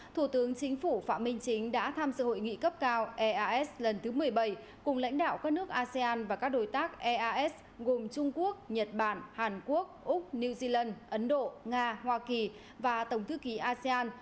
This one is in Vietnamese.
thủ tướng chính phủ phạm minh chính đã tham dự hội nghị cấp cao eas lần thứ một mươi bảy cùng lãnh đạo các nước asean và các đối tác eas gồm trung quốc nhật bản hàn quốc úc new zealand ấn độ nga hoa kỳ và tổng thư ký asean